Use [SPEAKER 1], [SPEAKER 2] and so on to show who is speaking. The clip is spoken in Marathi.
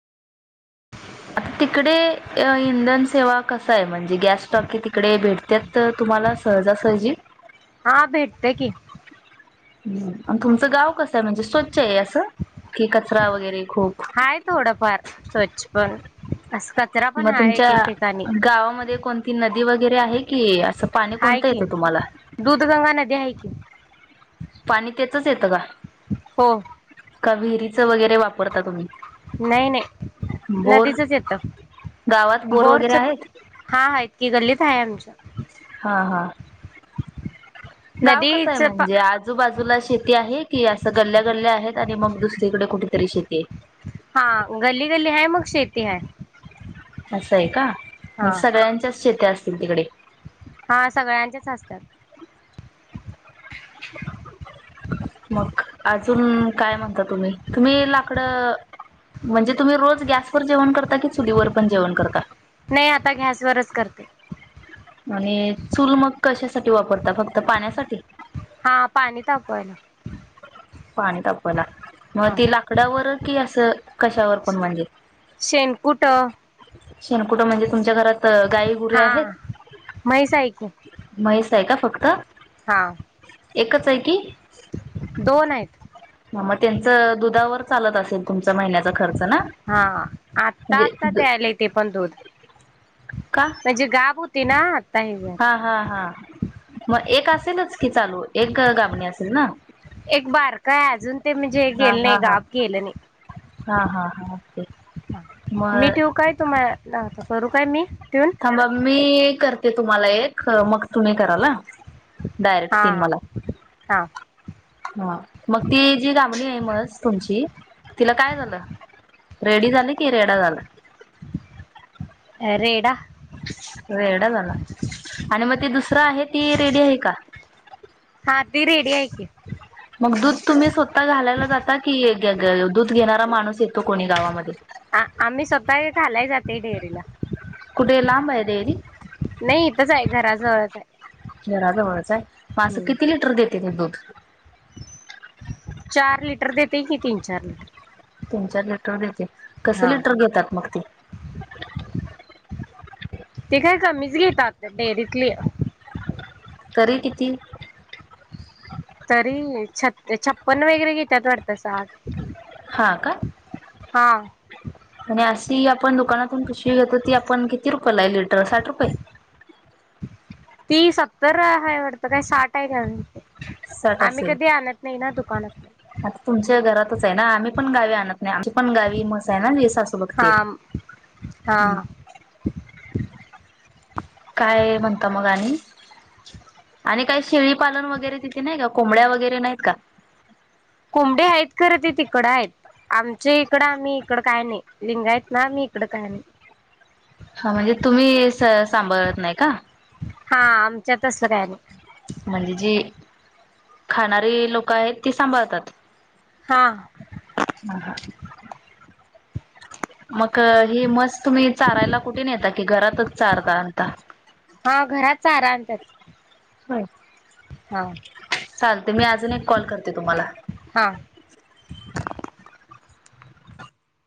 [SPEAKER 1] आता तिकडे इंधन सेवा कसं आहे, म्हणजे गॅस टाँकी तिकडे भेटत्यात? तर तुम्हाला सहजासहजी
[SPEAKER 2] हा, भेटते की.
[SPEAKER 1] हम, तुमचं गाव कसं आहे, म्हणजे स्वच्छ आहे असं कि कचरा वगैरे खूप
[SPEAKER 2] हाय थोडंफार स्वच्छ पण, असं कचरा पण हाय एक एक ठिकाणी.
[SPEAKER 1] गावा मध्ये कोणती नदी वगैरे आहे की, असं पाणी कोणतं येत तुम्हाला?
[SPEAKER 2] दुधगंगा नदी आहे की.
[SPEAKER 1] पाणी त्याचचं येतं का?
[SPEAKER 2] हो.
[SPEAKER 1] का विहिरीचं वगैरे वापरता तुम्ही?
[SPEAKER 2] नाही नाही
[SPEAKER 1] बोर
[SPEAKER 2] नदीचचं येत,
[SPEAKER 1] गावात बोर वगैरे
[SPEAKER 2] बोरचं
[SPEAKER 1] आहेत
[SPEAKER 2] हा हायत की, गल्लीत आहे आमच्या.
[SPEAKER 1] हा हा, गाव कसं आहे
[SPEAKER 2] नदीच पा
[SPEAKER 1] म्हणजे आज? आजूबाजूला शेती आहे की, असं गल्ल्या गल्ल्या आहेत आणि मग दुसरीकडे कुठेतरी शेती आहे?
[SPEAKER 2] हा, गल्ली गल्ली हाय मग शेती हाय.
[SPEAKER 1] असं आहे का, मग
[SPEAKER 2] हा
[SPEAKER 1] सगळ्यांच्याच शेत्या असतील तिकडे?
[SPEAKER 2] हा, सगळ्यांचेच असत्यात.
[SPEAKER 1] मग, अजून काय म्हणता तुम्ही? तुम्ही लाकडं म्हणजे तुम्ही रोज गॅसवर जेवण करता की, चुलीवर पण जेवण करता?
[SPEAKER 2] नाही आता गॅस वरचं करतोय.
[SPEAKER 1] आणि चूल मग कशासाठी वापरता, फक्त पाण्यासाठी?
[SPEAKER 2] हा पाणी तापवायला.
[SPEAKER 1] पाणी तापायला मग
[SPEAKER 2] हा
[SPEAKER 1] ते लाकडावर कि असं कशावर पण म्हणजे
[SPEAKER 2] शेणकुट
[SPEAKER 1] शेणकुट म्हणजे, तुमच्या घरात गाई गुरे आहेत
[SPEAKER 2] हा, म्हैस आहे की.
[SPEAKER 1] म्हैस आहे का फक्त?
[SPEAKER 2] हा.
[SPEAKER 1] एकच आहे ती.
[SPEAKER 2] दोन आहेत.
[SPEAKER 1] हा मग, त्यांचं दुधावर चालत असेल. तुमचा महिन्याचा खर्च ना,
[SPEAKER 2] हा आता
[SPEAKER 1] म्हणजे
[SPEAKER 2] आता
[SPEAKER 1] दूध
[SPEAKER 2] द्यायला ते पण दूध
[SPEAKER 1] का?
[SPEAKER 2] म्हणजे गाब होती ना, आता हेज
[SPEAKER 1] हा हा हा. मग एक असेलच की चालू, एक गाबणी असेल ना.
[SPEAKER 2] एक बारकाय अजून ते म्हणजे
[SPEAKER 1] हा
[SPEAKER 2] गेलं
[SPEAKER 1] हा
[SPEAKER 2] नई,
[SPEAKER 1] हा
[SPEAKER 2] गाब गेलं
[SPEAKER 1] हा
[SPEAKER 2] नई.
[SPEAKER 1] हा हा ओके
[SPEAKER 2] मी
[SPEAKER 1] मग
[SPEAKER 2] ठिऊ काय तुम्हा नाता करू काय मी ठिऊन?
[SPEAKER 1] हा म मी करते तुम्हाला एक, मग तुम्ही कराल हा. डायरेक्ट
[SPEAKER 2] हा
[SPEAKER 1] तीन मला,
[SPEAKER 2] हा
[SPEAKER 1] हा. मग ती जी गाबणी हाय म्हस तुमची, तिला काय झालं? रेडी झाली, की रेडा झाला?
[SPEAKER 2] अ रेडा.
[SPEAKER 1] रेडा झाला आणि मग ते दुसरं आहे ती रेडी आहे का?
[SPEAKER 2] हा ती रेडी आहे की.
[SPEAKER 1] मग दूध तुम्ही स्वतः घालायला जाता की, दूध घेणारा माणूस येतो कोणी गावामध्ये?
[SPEAKER 2] आ आम्ही स्वतः घालाय जातय डेअरीला.
[SPEAKER 1] कुटे लांब आहे डेअरी
[SPEAKER 2] नाही इथच आहे घराजवळच आहे
[SPEAKER 1] घराच जवळच आहे मग असं किती लिटर देते ते दूध
[SPEAKER 2] चार लिटर देेते की तीन चार लिटर
[SPEAKER 1] तीन चार लिटर देते कसं
[SPEAKER 2] हा
[SPEAKER 1] लिटर घेतात मग ते ते
[SPEAKER 2] ते काय कमीच घेतात डेअरीतली
[SPEAKER 1] तरी किती
[SPEAKER 2] तरी छ छप्पन वगैरे घेतात वाटत
[SPEAKER 1] हा का
[SPEAKER 2] हा
[SPEAKER 1] आणि अशी आपण दुकानातून पिशवी घेतो ती आपण किती रुपयेला आहे लिटर साठ रुपये
[SPEAKER 2] ती सत्तर आहे वाढत काय साठ आहे का म्ह
[SPEAKER 1] साठ
[SPEAKER 2] आम्ही
[SPEAKER 1] असेल
[SPEAKER 2] कधी आणत नाही ना दुकानात
[SPEAKER 1] आता तुमच्या घरातच आहे ना आम्ही पण गावी आणत नाही आमची पण गावी म्हस आहे ना बघते
[SPEAKER 2] हा हा
[SPEAKER 1] हम्म. काय म्हणता मग आणि आणि काही शेळीपालन वगैरे तिथे नाही का कोंबड्या वगैरे नाहीत का
[SPEAKER 2] कोंबडी आहेत खरं ते तिकडं आहेत आमच्या इकडं आम्ही इकड काय नाही लिंगायत ना आम्ही इकड काय नाही
[SPEAKER 1] हा म्हणजे तुम्ही सांभाळत नाही का
[SPEAKER 2] हा आमच्यात असलं काय नाही
[SPEAKER 1] म्हणजे जी खाणारी लोक आहेत ती सांभाळतात
[SPEAKER 2] हा
[SPEAKER 1] हा मग हे म्हस तुम्ही चारायला कुठे न यता की घरातच चारता अता
[SPEAKER 2] हा घरात चारा आणत्यात
[SPEAKER 1] होय चालतयं मी अजून एक कॉल करते तुम्हाला
[SPEAKER 2] हा